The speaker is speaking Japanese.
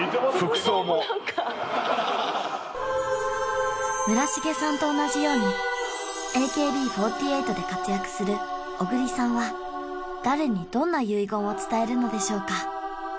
服装も村重さんと同じようにＡＫＢ４８で活躍する小栗さんは誰にどんな結言を伝えるのでしょうか？